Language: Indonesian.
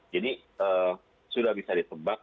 jadi sudah bisa ditebak